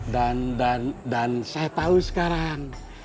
dan dan dan saya tahu sekarang